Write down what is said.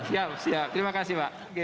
siap siap terima kasih pak